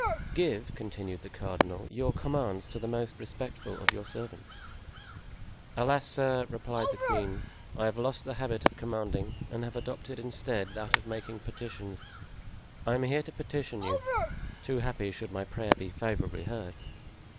"Give," continued the cardinal, "your commands to the most respectful of your servants." "Alas, sir," replied the queen, "I have lost the habit of commanding and have adopted instead that of making petitions. I am here to petition you, too happy should my prayer be favorably heard."